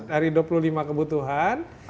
dari dua puluh lima kebutuhan